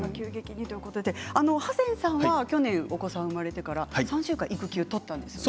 ハセンさんは去年お子さんが生まれてから３週間育休を取ったんですよね。